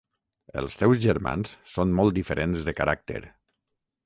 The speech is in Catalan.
Els teus germans són molt diferents de caràcter.